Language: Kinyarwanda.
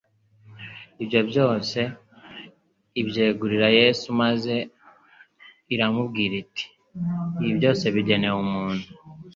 ibyo byose ibyegurira Yesu maze iramubwira iti : Ibi byose bigenewe umuntu.